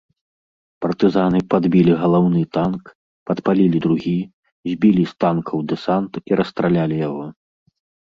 Партызаны падбілі галаўны танк, падпалілі другі, збілі з танкаў дэсант і расстралялі яго.